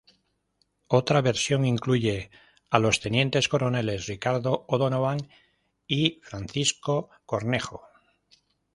Otra versión incluye a los tenientes coroneles Ricardo O'Donovan y Francisco Cornejo.